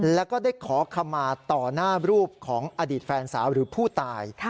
แล้วก็ได้ขอคำมาต่อหน้ารูปของอดีตแฟนสาวหรือผู้ตาย